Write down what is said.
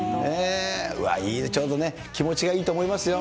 うわっ、ちょうどね、気持ちがいいと思いますよ。